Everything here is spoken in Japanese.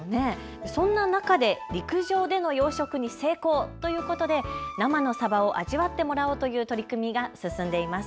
そんな中で陸上での養殖に成功ということで生のサバを味わってもらおうという取り組みが進んでいます。